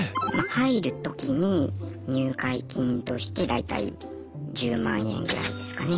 入るときに入会金として大体１０万円ぐらいですかね。